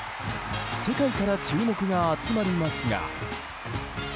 世界から注目が集まりますが。